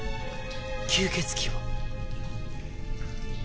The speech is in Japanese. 吸血鬼を？